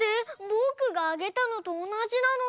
ぼくがあげたのとおなじなのに！